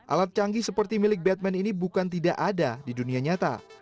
alat canggih seperti milik batman ini bukan tidak ada di dunia nyata